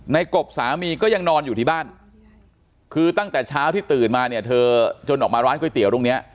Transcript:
กบสามีก็ยังนอนอยู่ที่บ้านคือตั้งแต่เช้าที่ตื่นมาเนี่ยเธอจนออกมาร้านก๋วยเตี๋ยวตรงเนี้ย